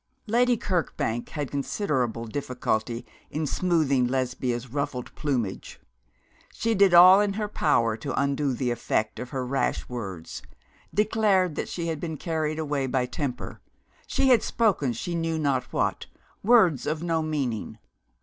Lady Kirkbank had considerable difficulty in smoothing Lesbia's ruffled plumage. She did all in her power to undo the effect of her rash words declared that she had been carried away by temper she had spoken she knew not what words of no meaning.